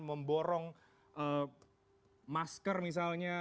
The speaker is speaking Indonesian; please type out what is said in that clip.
memborong masker misalnya